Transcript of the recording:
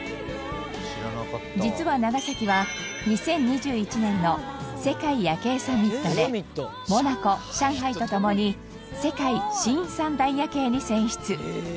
実は長崎は２０２１年の「世界夜景サミット」でモナコ上海と共に世界新三大夜景に選出。